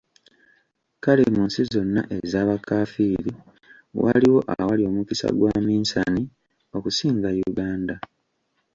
Kale mu nsi zonna ez'abakaafiiri, waliwo awali omukisa gwa minsani okusinga Uganda?